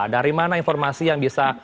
dari mana informasi yang bisa